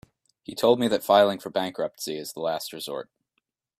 He told me that filing for bankruptcy is the last resort.